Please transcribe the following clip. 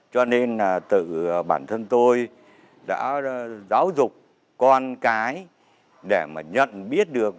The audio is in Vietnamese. cho nên là tự bản thân tôi đã giáo dục con cái để mà nhận biết được